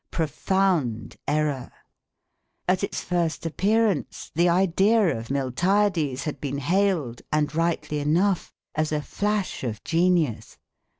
Profound error! At its first appearance, the idea of Miltiades had been hailed, and rightly enough, as a flash of genius.